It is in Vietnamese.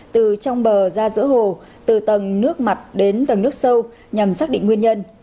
từ trong bờ ra giữa hồ từ tầng nước mặt đến tầng nước sâu nhằm xác định nguyên nhân